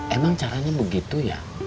emang caranya begitu ya